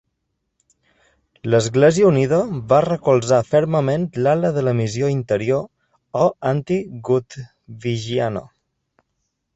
L'Església Unida va recolzar fermament l'ala de la Missió Interior o Anti-Grundtvigiana.